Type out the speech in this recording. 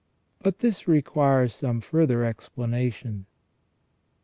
But this requires some further explanation.